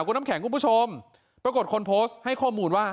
คุณน้ำแข็งคุณผู้ชมปรากฏคนโพสต์ให้ข้อมูลว่า